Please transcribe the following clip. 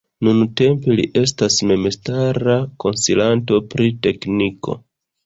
Nuntempe li estas memstara konsilanto pri tekniko.